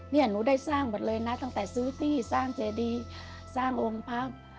หนูได้สร้างหมดเลยนะตั้งแต่ซื้อที่สร้างเจดีสร้างองค์ปั๊บ